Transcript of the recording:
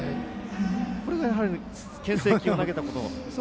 これがけん制球を投げたことの？